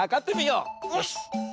よし。